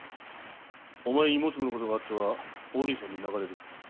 お前にもしものことがあってはおるいさんに泣かれる。